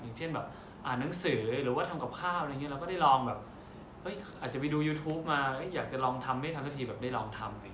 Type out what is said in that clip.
อย่างเช่นแบบอ่านหนังสือหรือว่าทำกับข้าวอะไรอย่างนี้เราก็ได้ลองแบบอาจจะไปดูยูทูปมาอยากจะลองทำไม่ทำสักทีแบบได้ลองทำ